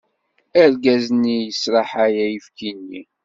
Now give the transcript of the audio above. Argaz-nni yesraḥay ayefki-nni.